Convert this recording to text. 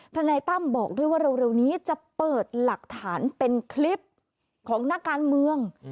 นายตั้มบอกด้วยว่าเร็วนี้จะเปิดหลักฐานเป็นคลิปของนักการเมือง